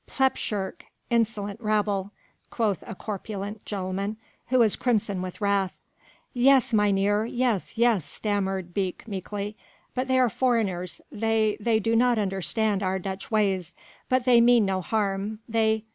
"Plepshurk! Insolent rabble!" quoth a corpulent gentleman who was crimson with wrath. "Yes, mynheer, yes, yes," stammered Beek meekly, "but they are foreigners ... they ... they do not understand our Dutch ways ... but they mean no harm ... they...."